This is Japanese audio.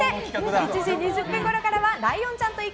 １時２０分ごろからはライオンちゃんと行く！